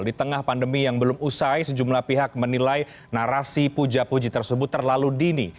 di tengah pandemi yang belum usai sejumlah pihak menilai narasi puja puji tersebut terlalu dini